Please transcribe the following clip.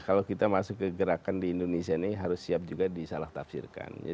kalau kita masuk ke gerakan di indonesia ini harus siap juga disalah tafsirkan